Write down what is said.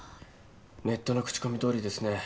ネットの口コミどおりですね。